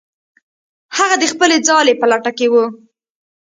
هغه د خپلې ځالې په لټه کې و.